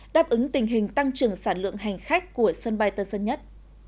đáp ứng tình hình tăng trưởng sản lượng hành khách của sân bay tân sơn nhất